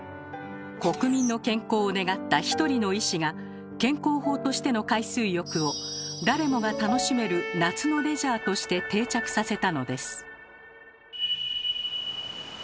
国民の健康を願った１人の医師が健康法としての海水浴を誰もが楽しめる夏のレジャーとして定着させたのです。